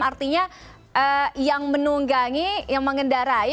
artinya yang menunggangi yang mengendarai pebalapnya sendiri